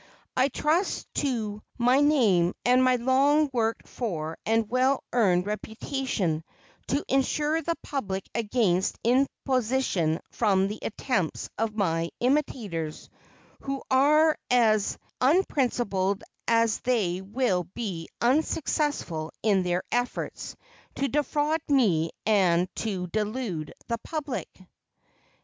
I trust to my name and my long worked for and well earned reputation to insure the public against imposition from the attempts of my imitators, who are as unprincipled as they will be unsuccessful in their efforts to defraud me and to delude the public.